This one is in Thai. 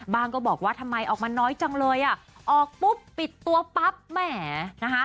ก็บอกว่าทำไมออกมาน้อยจังเลยอ่ะออกปุ๊บปิดตัวปั๊บแหมนะคะ